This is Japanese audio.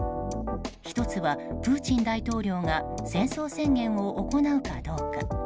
１つはプーチン大統領が戦争宣言を行うかどうか。